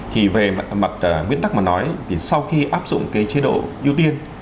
thì về mặt nguyên tắc mà nói thì sau khi áp dụng cái chế độ ưu tiên